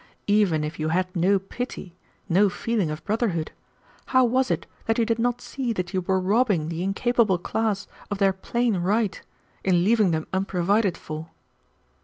Even if you had no pity, no feeling of brotherhood, how was it that you did not see that you were robbing the incapable class of their plain right in leaving them unprovided for?"